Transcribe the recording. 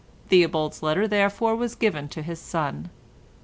Theobald's letter therefore was given to his son.